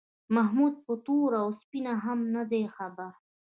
محمود په تور او سپین هم نه دی خبر.